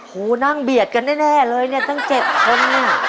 นั่งเบียดกันแน่เลยเนี่ยตั้ง๗คนเนี่ย